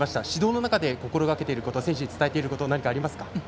指導の中で心がけていること選手に伝えていることは何かありますか？